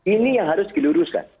ini yang harus diluruskan